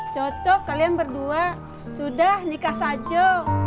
cocok kalian berdua sudah nikah salju